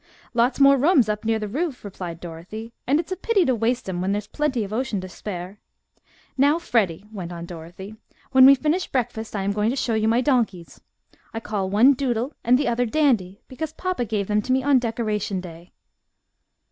"Lots more rooms up near the roof," replied Dorothy, "and it's a pity to waste them when there's plenty of ocean to spare. Now, Freddie," went on Dorothy, "when we finish breakfast I am going to show you my donkeys. I called one Doodle and the other Dandy, because papa gave them to me on Decoration Day."